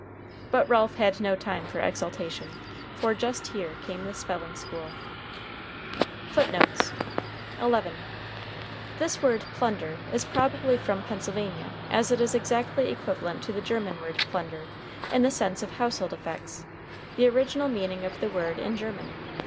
But Ralph had no time for exultation; for just here came the spelling school. FOOTNOTES: [Footnote 11: This word plunder is probably from Pennsylvania, as it is exactly equivalent to the German word plunder, in the sense of household effects, the original meaning of the word in German.